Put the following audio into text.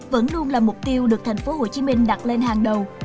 vẫn luôn là mục tiêu được thành phố hồ chí minh đặt lên hàng đầu